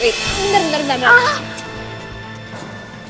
bentar bentar bentar